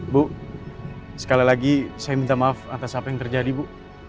bu sekali lagi saya minta maaf atas apa yang terjadi bu